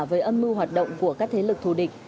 với âm mưu hoạt động của các thế lực thù địch